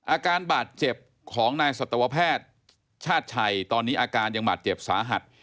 อาการบาดเจ็บของนายสัตวแพทย์ชาติชัยตอนนี้อาการยังบาดเจ็บสาหัส